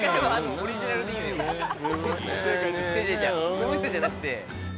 この人じゃなくて。